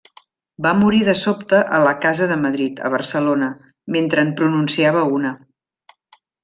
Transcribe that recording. Va morir de sobte a la Casa de Madrid, a Barcelona, mentre en pronunciava una.